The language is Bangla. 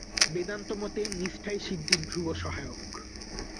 বেদান্ত-মতে নিষ্ঠাই সিদ্ধির ধ্রুব সহায়ক।